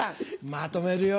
まとめるよ。